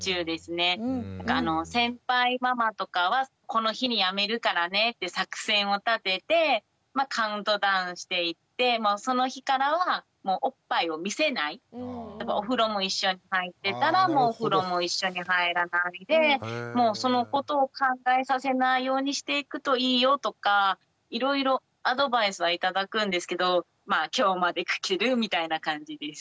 先輩ママとかはこの日にやめるからねって作戦を立ててカウントダウンしていってその日からはおっぱいを見せないお風呂も一緒に入ってたらもうお風呂も一緒に入らないでもうそのことを考えさせないようにしていくといいよとかいろいろアドバイスは頂くんですけど今日まできてるみたいな感じです。